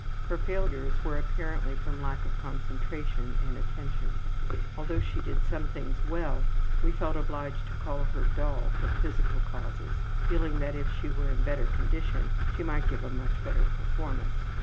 Her failures were apparently from lack of concentration and attention. Although she did some things well we felt obliged to call her dull from physical causes, feeling that if she were in better condition she might give a much better performance.